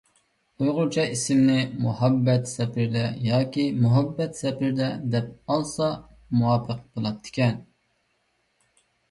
ئۇيغۇرچە ئىسمىنى «مۇھەببەت سەپىرىدە» ياكى «مۇھەببەت سەپەردە» دەپ ئالسا مۇۋاپىق بولاتتىكەن.